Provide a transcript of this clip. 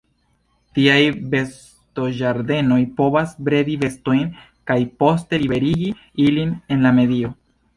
Tiaj bestoĝardenoj provas bredi bestojn kaj poste liberigi ilin en la medio.